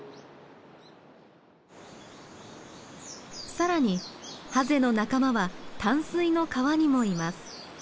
更にハゼの仲間は淡水の川にもいます。